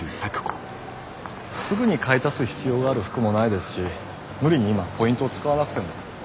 すぐに買い足す必要がある服もないですし無理に今ポイントを使わなくても。